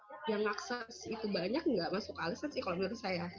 terus itu banyak enggak masuk alasan sih kalau menurut saya